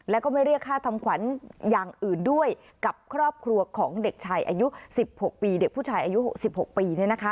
แล้วก็ไม่เรียกค่าทำขวัญอย่างอื่นด้วยกับครอบครัวของเด็กชายอายุ๑๖ปีเด็กผู้ชายอายุ๖๖ปี